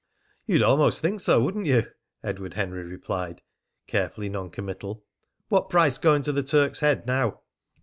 "You'd almost think so, wouldn't you?" Edward Henry replied, carefully non committal. "What price going to the Turk's Head now?"